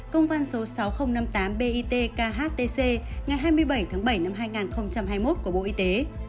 công văn số sáu nghìn năm mươi tám bit khtc ngày hai mươi bảy tháng bảy năm hai nghìn hai mươi một của bộ y tế